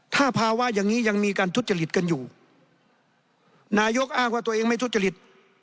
ถ้าภาวะอย่างนี้ยังมีการทุจริตกันอยู่นายกอ้างว่าตัวเองไม่ทุจริต